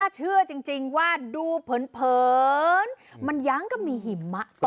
เชื่อจริงว่าดูเผินมันยังก็มีหิมะ